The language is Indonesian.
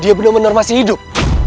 dia benar benar masih hidup